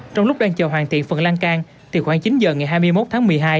trong lúc đang chờ hoàn thiện phần lan can từ khoảng chín giờ ngày hai mươi một tháng một mươi hai